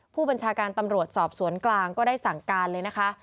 ผู้บัญชาการตำรวจสอบสวนกลางก็ได้สั่งการเลยนะคะ